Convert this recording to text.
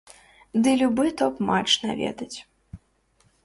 Ды любы топ-матч наведаць.